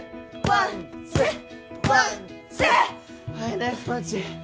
はいナイスパンチ。